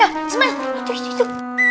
itu itu itu